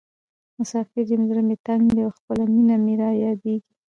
مسافر یم زړه مې تنګ ده او خپله مینه مې رایادیزې.